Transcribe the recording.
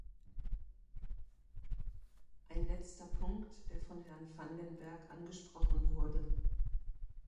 Ein letzter Punkt, der von Herrn van den Berg angesprochen wurde.